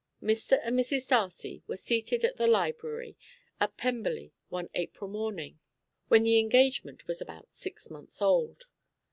Mr. and Mrs. Darcy were seated in the library at Pemberley one April morning when the engagement was about six months old.